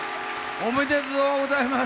おめでとうございます。